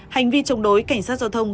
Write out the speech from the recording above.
hành vi chống đối cảnh sát giao thông